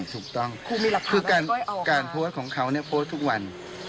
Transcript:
ถูกต้องคุณมีรักษาคือการการโพสต์ของเขาเนี้ยโพสต์ทุกวัน